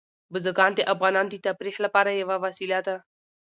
بزګان د افغانانو د تفریح لپاره یوه وسیله ده.